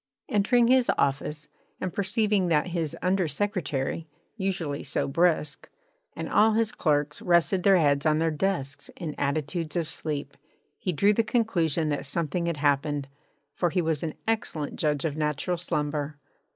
Entering his office, and perceiving that his under secretary (usually so brisk) and all his clerks rested their heads on their desks in attitudes of sleep, he drew the conclusion that something had happened, for he was an excellent judge of natural slumber.